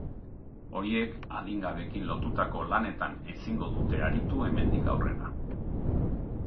Horiek adingabeekin lotutako lanetan ezingo dute aritu, hemendik aurrera.